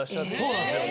そうなんですよ。